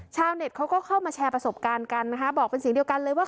เน็ตเขาก็เข้ามาแชร์ประสบการณ์กันนะคะบอกเป็นเสียงเดียวกันเลยว่า